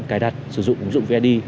cài đặt sử dụng ứng dụng vneid